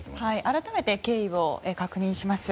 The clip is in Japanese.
改めて経緯を確認します。